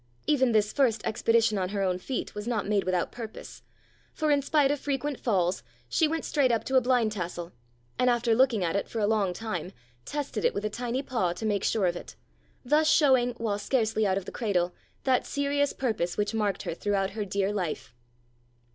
Even this first expedi tion on her own feet was not made without purpose, for in spite of frequent falls she went straight up to a blind tassel, and after looking at it for a long time, tested it with a tiny paw to make sure of it, thus showing, while scarcely out of the cradle, that serious purpose which marked her throughout her dear life.